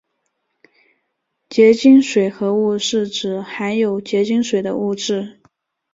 结晶水合物是指含有结晶水的物质。